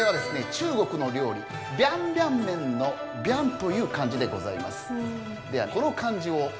中国の料理ビャンビャン麺のビャンという漢字でございます。